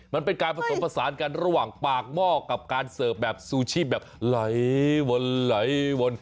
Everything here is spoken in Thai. มันเป็นการผสมผสานกันระหว่างปากหม้อกับการเสิร์ฟแบบซูชิแบบไหลวนไหลวน